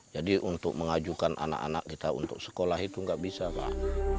jadi untuk mengajukan anak anak kita untuk sekolah itu nggak bisa lah